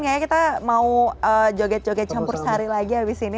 kayaknya kita mau joget joget campur sari lagi abis ini